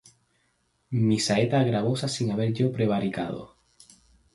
Mi saeta es gravosa sin haber yo prevaricado.